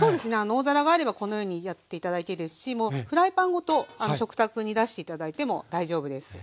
大皿があればこのようにやって頂いていいですしもうフライパンごと食卓に出して頂いても大丈夫です。